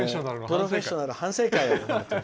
「プロフェッショナル反省会」だな。